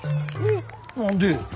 何で？